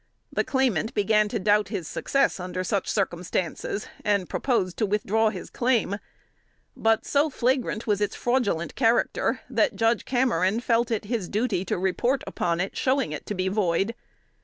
The claimant began to doubt his success under such circumstances, and proposed to withdraw his claim; but so flagrant was its fraudulent character, that Judge Cameron felt it his duty to report upon it, showing it to be void.